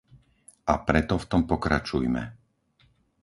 A preto v tom pokračujme.